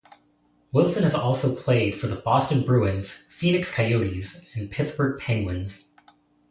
Wilson has also played for the Boston Bruins, Phoenix Coyotes and Pittsburgh Penguins.